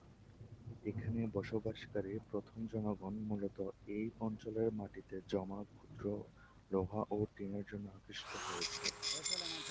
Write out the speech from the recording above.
এখানে বসবাসকারী প্রথম জনগণ মূলত এই অঞ্চলের মাটিতে জমা ক্ষুদ্র লোহা ও টিনের জন্য আকৃষ্ট হয়েছিল।